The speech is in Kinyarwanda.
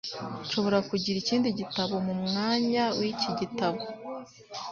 Nshobora kugira ikindi gitabo mu mwanya w'iki gitabo?